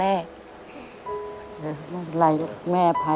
ไม่เป็นไรแม่ภัย